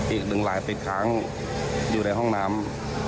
อีกหนึ่งลายติดค้างอยู่ในห้องน้ำ